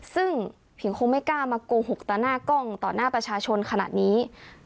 ซึ่งผิวคงไม่กล้ามาโกหกต่อหน้ากล้องต่อหน้าประชาชนขนาดนี้